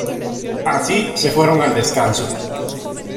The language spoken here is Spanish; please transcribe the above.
Así se fueron al descanso.